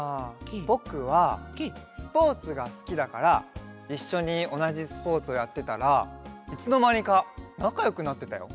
ぼくはスポーツがすきだからいっしょにおなじスポーツをやってたらいつのまにかなかよくなってたよ。